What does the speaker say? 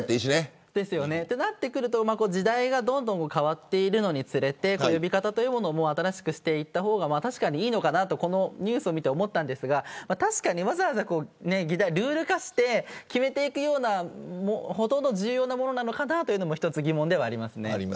そうなってくると時代がどんどん変わっているのにつれて呼び方も新しくしていった方が確かにいいのかなとこのニュースを見て思ったんですがわざわざルール化して決めるほどの重要なものなのかなというのも一つ疑問ではあります。